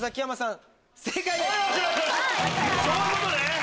そういうことね！